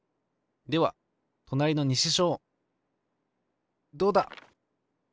ではとなりの西小どうだ！